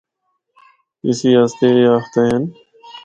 اسی آسطے اے آخدے ہن۔